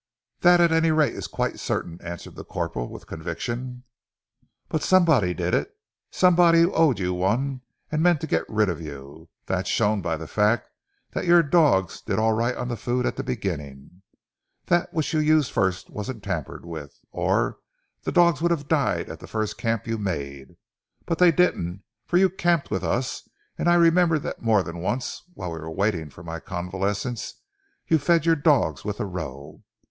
"That at any rate is quite certain!" answered the corporal with conviction. "But somebody did it; somebody who owed you one, and meant to get rid of you. That's shown by the fact that your dogs did all right on the food at the beginning. That which you used first wasn't tampered with, or the dogs would have died at the first camp you made. But they didn't, for you camped with us, and I remember that more than once, whilst we were waiting for my convalescence, you fed your dogs with the roe.